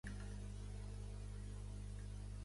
Joan Cornet i Prat és un alcalde de Manresa nascut a Manresa.